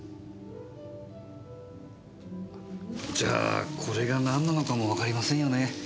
じゃあこれが何なのかもわかりませんよね？